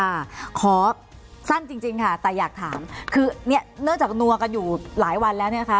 ขอสั้นจริงจริงค่ะแต่อยากถามคือเนี่ยเนื่องจากนัวกันอยู่หลายวันแล้วเนี่ยนะคะ